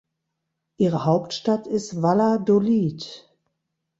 Ihre Hauptstadt ist Valladolid.